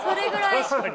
確かに。